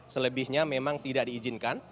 selebihnya memang tidak diizinkan